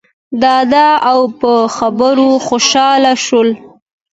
ډاډه او په خبرو خوشحاله شول.